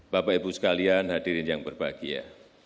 bapak ibu sekalian hadirin yang berbahagia